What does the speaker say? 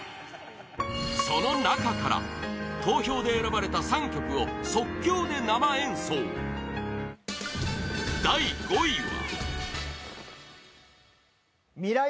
その中から投票で選ばれた３曲を即興で生演奏第５位は